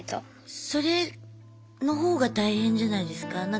それのほうが大変じゃないですか？